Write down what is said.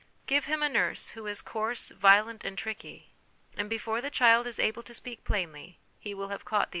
Give him a nurse who is e, violent, and tricky, and before the child is able to speak plainly he will have caught dispositions.